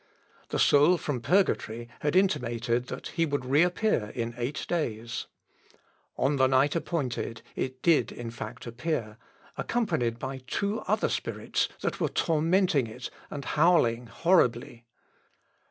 The soul from purgatory had intimated that he would reappear in eight days. On the night appointed it in fact did appear, accompanied by two other spirits that were tormenting it and howling horribly.